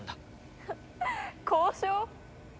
フフッ交渉？